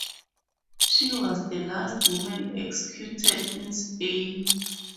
She was the last woman executed in Spain.